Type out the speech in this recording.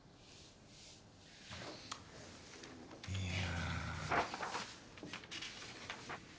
いや。